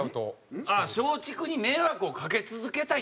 ああ松竹に迷惑をかけ続けたいって事？